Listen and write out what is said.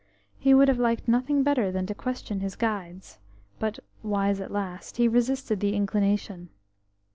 He would have liked nothing better than to question his guides, but, wise at last, he resisted the inclination.